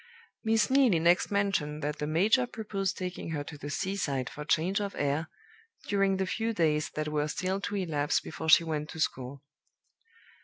Miss Neelie next mentioned that the major proposed taking her to the seaside for change of air, during the few days that were still to elapse before she went to school.